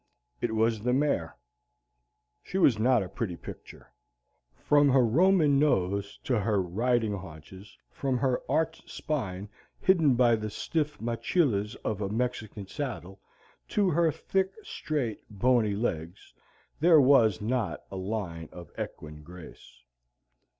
It was the mare. She was not a pretty picture. From her Roman nose to her rising haunches, from her arched spine hidden by the stiff machillas of a Mexican saddle, to her thick, straight, bony legs, there was not a line of equine grace.